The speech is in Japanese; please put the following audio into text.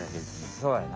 そうやな。